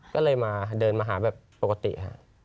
ก็เลยมาเดินมาหาแบบปกติฮะ